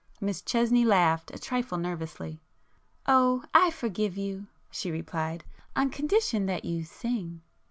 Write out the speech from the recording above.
Miss Chesney laughed, a trifle nervously. "Oh, I forgive you!" she replied—"On condition that you sing."